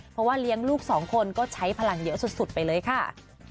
เพราะว่าเลี้ยงลูกสองคนก็ใช้พลังเยอะสุดไปเลยค่ะ